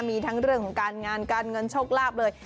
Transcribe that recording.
มีทั้งเรื่องของการงานการเงินโชคลาภเลย